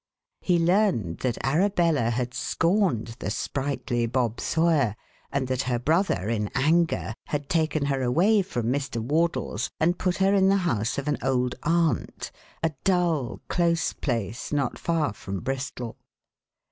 He learned that Arabella had scorned the sprightly Bob Sawyer, and that her brother, in anger, had taken her away from Mr. Wardle's and put her in the house of an old aunt a dull, close place not far from Bristol.